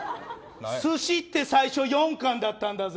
寿司って最初、４巻だったんだぜ。